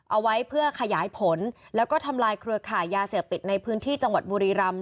เอาไว้เพื่อขยายผลแล้วก็ทำลายเครือข่ายยาเสพติดในพื้นที่จังหวัดบุรีรำ